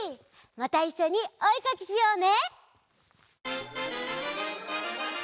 またいっしょにおえかきしようね！